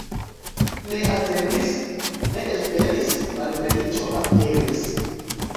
Ne atendis, ne esperis — malfeliĉo aperis.